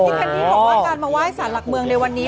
แคนดี้บอกว่าการมาไหว้สารหลักเมืองในวันนี้